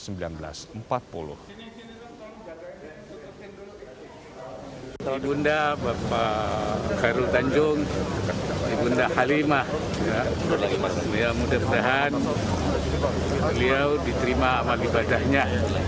ibu nda khairul tanjung ibu nda halimah beliau muda sedahan beliau diterima amal ibadahnya